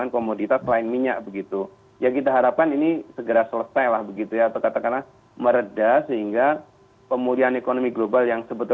kalau harga batubara nggak meningkat